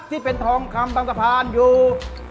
ที่เป็นทองคำบางสะพานอยู่